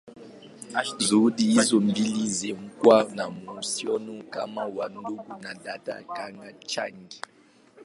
Shule hizi mbili zimekuwa na uhusiano kama wa ndugu na dada tangu jadi.